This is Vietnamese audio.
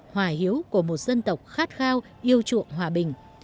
hòa hiếu của một dân tộc khát khao yêu chuộng hòa bình